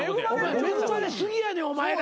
恵まれ過ぎやねんお前ら。